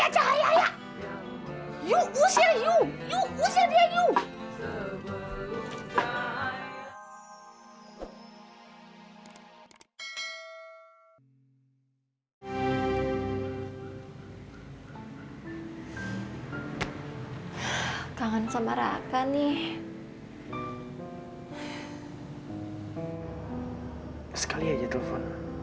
telepon gak ya